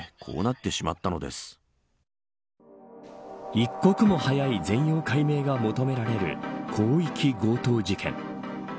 一刻も早い全容解明が求められる広域強盗事件。